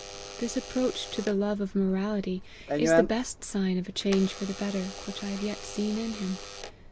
This approach to the love of morality, is the best sign of a change for the better, which I have yet seen in him.